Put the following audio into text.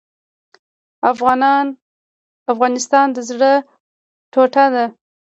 افغانستان د زړه ټوټه ده